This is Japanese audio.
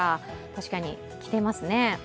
確かに着てますね。